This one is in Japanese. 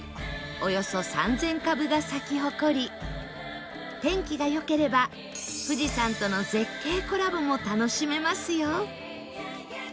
およそ３０００株が咲き誇り天気が良ければ富士山との絶景コラボも楽しめますよ